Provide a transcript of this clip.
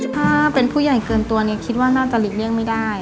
ถ้าเป็นผู้ใหญ่เกินตัวนี้คิดว่าน่าจะหลีกเลี่ยงไม่ได้